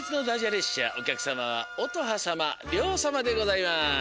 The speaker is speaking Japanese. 列車おきゃくさまはおとはさまりょうさまでございます。